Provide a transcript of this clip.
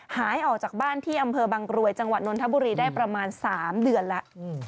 หายออกจากบ้านที่อำเภอบางกรวยจังหวัดนนทบุรีได้ประมาณ๓เดือนแล้ว